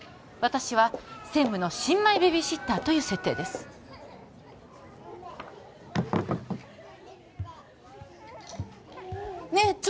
私は専務の新米ベビーシッターという設定ですねえ